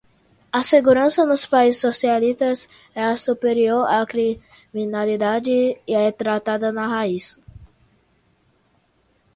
A segurança nos países socialistas é superior, a criminalidade é tratada na raiz